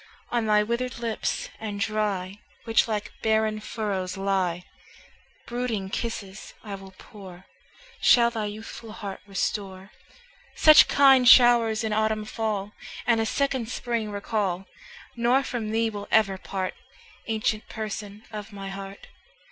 On thy withered lips and dry, Which like barren furrows lie, Brooding kisses I will pour, Shall thy youthful heart restore, Such kind show'rs in autumn fall, And a second spring recall; Nor from thee will ever part, Ancient Person of my heart.